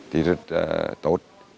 thì rất tốt